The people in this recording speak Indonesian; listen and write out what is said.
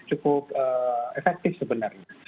cukup efektif sebenarnya